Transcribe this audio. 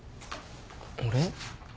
俺？